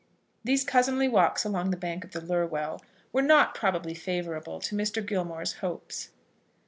These cousinly walks along the banks of the Lurwell were not probably favourable to Mr. Gilmore's hopes.